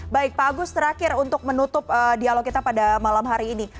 baik pak agus terakhir untuk menutup dialog kita pada malam hari ini